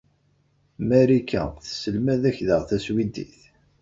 Marika tesselmed-ak daɣ taswidit?